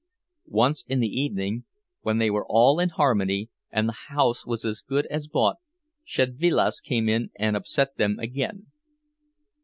Once, in the evening, when they were all in harmony, and the house was as good as bought, Szedvilas came in and upset them again.